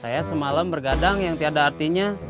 saya semalam bergadang yang tiada artinya